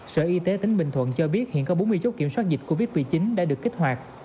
sở y tế tỉnh bình thuận cho biết hiện có bốn mươi chốt kiểm soát dịch covid một mươi chín đã được kích hoạt